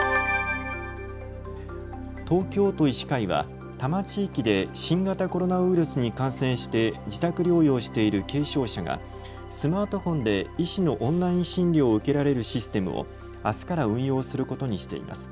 東京都医師会は多摩地域で新型コロナウイルスに感染して自宅療養している軽症者がスマートフォンで医師のオンライン診療を受けられるシステムを、あすから運用することにしています。